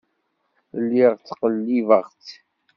Lliɣ ttqellibeɣ-tt.